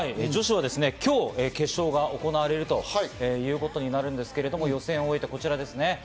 女子は今日、決勝が行われるということになるんですけれども、予選を終えてこちらです。